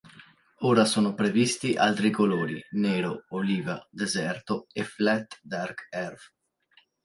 Ora sono previsti altri colori: nero, oliva, deserto e flat dark earth.